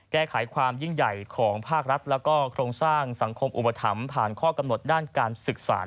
แก้ไขความยิ่งใหญ่ของภาครัฐแล้วก็โครงสร้างสังคมอุปถัมภ์ผ่านข้อกำหนดด้านการศึกษา